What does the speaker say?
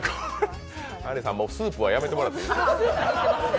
あんりさん、スープはやめてもらってもいいですか？